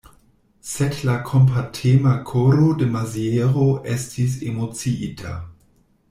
Sed la kompatema koro de Maziero estis emociita.